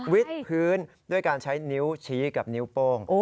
พื้นด้วยการใช้นิ้วชี้กับนิ้วโป้ง